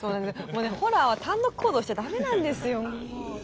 もうねホラーは単独行動しちゃ駄目なんですよ。